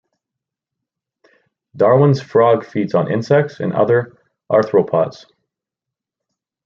Darwin's frog feeds on insects and other arthropods.